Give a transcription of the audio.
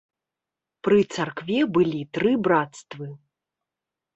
Пры царкве былі тры брацтвы.